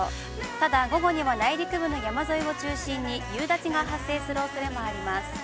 ただ午後には内陸部の山沿いを中心に、夕立が発生するおそれもあります。